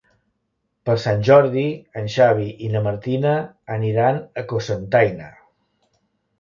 Per Sant Jordi en Xavi i na Martina aniran a Cocentaina.